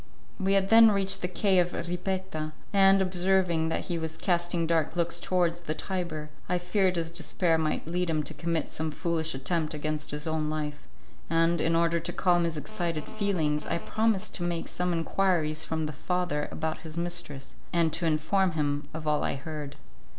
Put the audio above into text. We had then reached the quay of Ripetta, and, observing that he was casting dark looks towards the Tiber, I feared his despair might lead him to commit some foolish attempt against his own life, and, in order to calm his excited feelings, I promised to make some enquiries from the father about his mistress, and to inform him of all I heard.